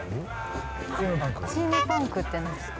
スチームパンクって何ですか？